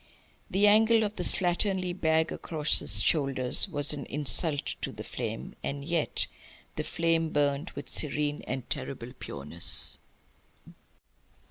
The angle of the slatternly bag across his shoulders was an insult to the flame. And yet the flame burned with serene and terrible pureness.